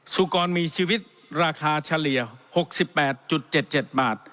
สุกรมีชีวิตราคาเฉลี่ย๖๘๗๗บาท